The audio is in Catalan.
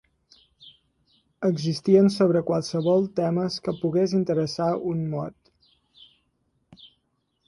Existien sobre qualssevol temes que pogués interessar un mod.